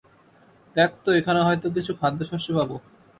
দেখ তো, এখানে হয়তো কিছু খাদ্য শস্য পাব।